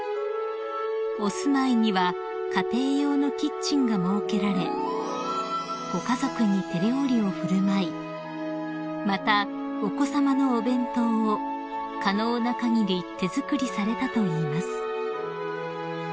［お住まいには家庭用のキッチンが設けられご家族に手料理を振る舞いまたお子さまのお弁当を可能なかぎり手作りされたといいます］